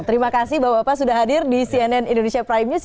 terima kasih bapak bapak sudah hadir di cnn indonesia prime news